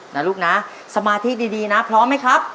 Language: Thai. นะลูกนะสมาธิดีนะพร้อมไหมครับ